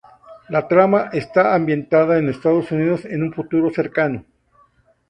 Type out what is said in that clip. La trama está ambientada en Estados Unidos en un futuro cercano.